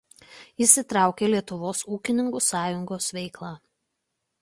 Įsitraukė į Lietuvos ūkininkų sąjungos veiklą.